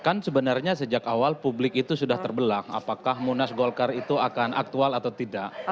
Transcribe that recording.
kan sebenarnya sejak awal publik itu sudah terbelah apakah munas golkar itu akan aktual atau tidak